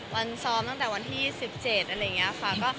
ซ้อมตั้งแต่วันที่๑๗อะไรอย่างนี้ค่ะ